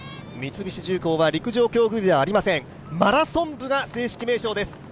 三菱重工は陸上競技部ではありませんマラソン部が正式名称です。